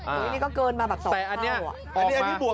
อันนี้ก็เกินมาแบบ๒ข้าว